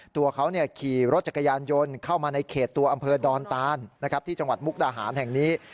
ตัวเขาขี่รถจักรยานยนต์เข้ามาในเขตตัวอำเภอดอนตานที่จังหวัดมุกดาหารแห่งนี้